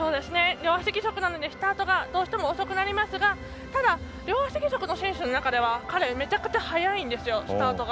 両足義足なのでスタートがどうしても遅くなりますがただ、両足義足の選手の中では彼、めちゃくちゃスタートが。